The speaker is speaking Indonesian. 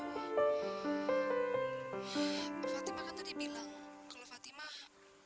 pak fatimah kan tadi bilang kalau fatimah